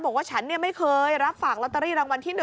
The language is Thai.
บอกว่าฉันไม่เคยรับฝากลอตเตอรี่รางวัลที่๑